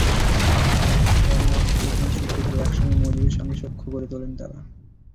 পরে অস্ত্র কেনার সূত্র ধরে একসময় মজিবের সঙ্গে সখ্য গড়ে তোলেন তাঁরা।